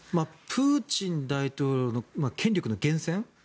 プーチン大統領の権力の源泉